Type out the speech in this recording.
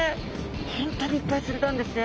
本当にいっぱいつれたんですね。